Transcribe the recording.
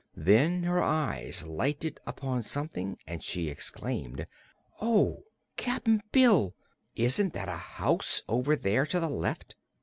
Then her eyes lighted upon something and she exclaimed: "Oh, Cap'n Bill! Isn't that a house, over there to the left?"